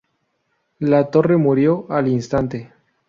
La Torre murió al instante.